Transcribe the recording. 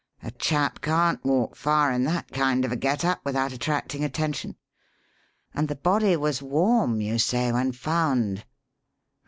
A chap can't walk far in that kind of a get up without attracting attention. And the body was warm, you say, when found.